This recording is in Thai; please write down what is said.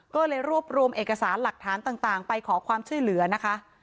ก็เลยรวบรวมเอกสารหลักฐานต่างไปขอความช่วยเหลือนะคะ